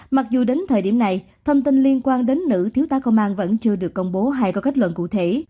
mặc dù đến thời điểm này thông tin liên quan đến nữ thiếu tá công an vẫn chưa được công bố hay có kết luận cụ thể